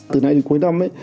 từ nay đến cuối năm